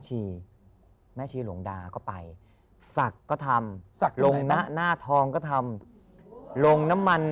แม่ชีหลวงดาก็ไปศักดิ์ก็ทำศักดิ์ลงหน้าทองก็ทำลงน้ำมัน